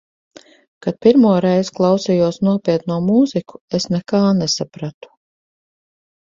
Kad pirmo reizi klausījos nopietno mūziku, es nekā nesapratu.